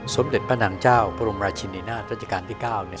สมเด็จพระนางเจ้าพระบรมราชินินาศรัชกาลที่๙เนี่ย